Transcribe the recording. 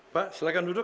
pak silahkan duduk